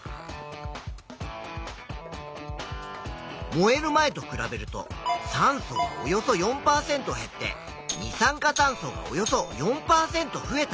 燃える前と比べると酸素がおよそ４％減って二酸化炭素がおよそ４％増えた。